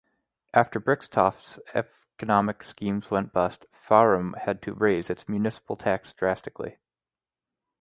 After Brixtofte's economic schemes went bust, Farum had to raise its municipal tax drastically.